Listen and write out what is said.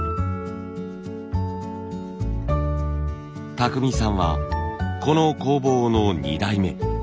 巧さんはこの工房の２代目。